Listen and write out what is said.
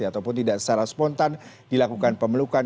ataupun tidak secara spontan dilakukan pemelukan